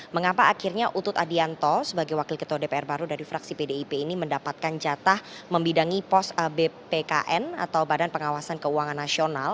mengapa akhirnya utut adianto sebagai wakil ketua dpr baru dari fraksi pdip ini mendapatkan jatah membidangi pos bpkn atau badan pengawasan keuangan nasional